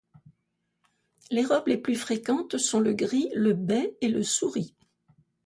Les robes les plus fréquentes sont le gris, le bai et le souris.